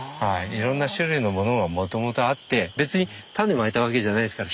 いろんな種類のものがもともとあって別に種まいたわけじゃないですから。